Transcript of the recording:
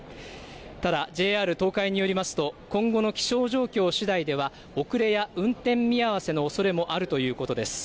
ただＪＲ東海によりますと今後の気象状況しだいでは遅れや運転見合わせのおそれもあるということです。